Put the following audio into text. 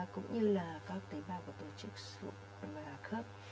cũng như là các tế bào của tổ chức sụp và khớp